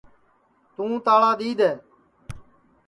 توں تاݪا دؔی دؔے